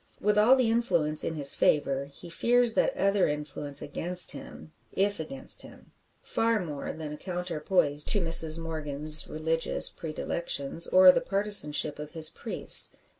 With all the influence in his favour, he fears that other influence against him if against him, far more than a counterpoise to Mrs Morgan's religious predilections, or the partisanship of his priest.